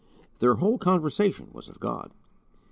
Their whole conversation was of God.